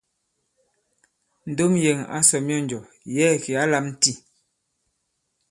Ndom yɛ̀ŋ ǎ sɔ̀ myɔnjɔ̀, yɛ̌ɛ̀ kì ǎ lām tî.